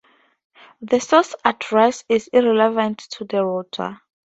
The source address is irrelevant to the router.